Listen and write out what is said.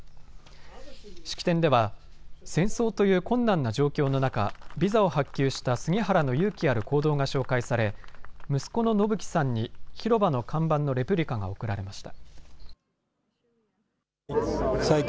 式典では戦争という困難な状況の中、ビザを発給した杉原の勇気ある行動が紹介され息子の伸生さんに広場の看板のレプリカが贈られました。